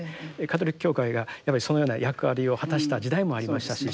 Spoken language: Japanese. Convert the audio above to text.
カトリック教会がそのような役割を果たした時代もありましたし。